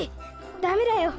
ダメだよ！